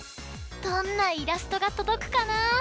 どんなイラストがとどくかな！